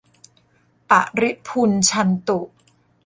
ปะริภุญชันตุ